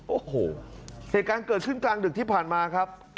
โอ้โหเหตุการณ์เกิดขึ้นกลางดึกที่ผ่านมาครับ